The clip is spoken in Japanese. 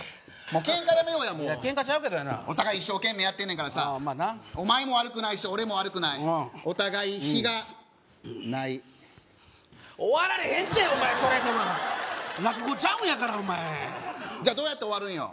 もうケンカやめようやケンカちゃうけどやなお互い一生懸命やってんねんからああまあなお前も悪くないし俺も悪くないお互い「ひ」がない終わられへんってお前それでは落語ちゃうんやからお前じゃどうやって終わるんよ？